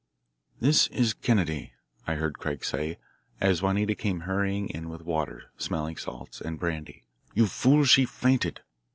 "This is Kennedy," I heard Craig say, as Juanita came hurrying in with water, smelling salts, and brandy. "You fool. She fainted.